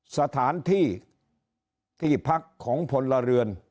สถานที่ที่พักของพลเรือน